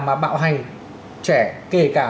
mà bạo hành trẻ kể cả